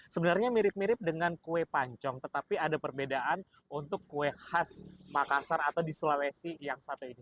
sebenarnya mirip mirip dengan kue pancong tetapi ada perbedaan untuk kue khas makassar atau di sulawesi yang satu ini